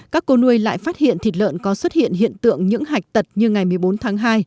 các cô nuôi lại phát hiện thịt lợn có xuất hiện hiện tượng những hạch tật như ngày một mươi bốn tháng hai